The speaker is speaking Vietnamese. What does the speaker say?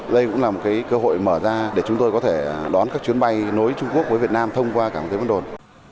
đây cũng là một cơ hội mở ra để chúng tôi có thể đón các chuyến bay nối trung quốc với việt nam thông qua cảng vân đồn